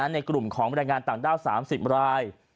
ในกลุ่มของบรรยายงานต่างด้าว๓๐ราย